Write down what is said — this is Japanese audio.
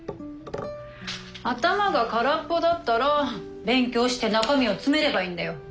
頭が空っぽだったら勉強して中身を詰めればいいんだよ。